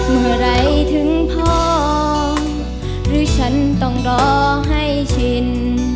เมื่อไหร่ถึงพอหรือฉันต้องรอให้ชิน